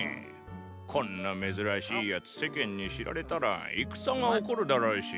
こんな珍しい奴世間に知られたら戦が起こるだろうし。